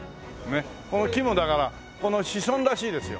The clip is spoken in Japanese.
この木もだからこの子孫らしいですよ。